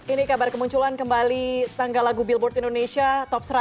ini kabar kemunculan kembali tanggal lagu billboard indonesia top seratus